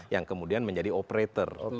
yang kemudian menjadi operator